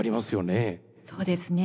そうですね。